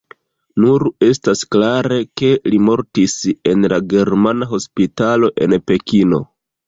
Nur estas klare, ke li mortis en la Germana Hospitalo en Pekino.